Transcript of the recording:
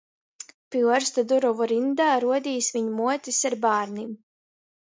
Pi uorsta durovu ryndā, ruodīs, viņ muotis ar bārnim.